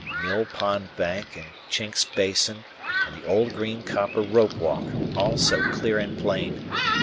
Mill Pond Bank, and Chinks's Basin, and the Old Green Copper Rope walk, all so clear and plain!